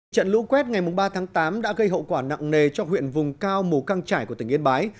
trận lũ quét ngày ba tháng tám đã gây hậu quả nặng nề cho huyện vùng cao mù căng trải của tỉnh yên bái